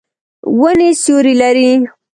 ونې سیوری لري.